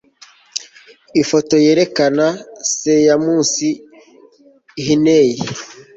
ifoto yerekana Seamus Heaney